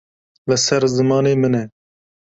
Li ser zimanê min e.